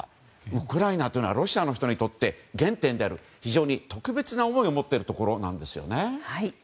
ウクライナというのはロシアの人にとって原点である、非常に特別な思いを持っているところなんですよね。